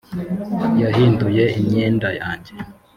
yahinduye imyenda yanjye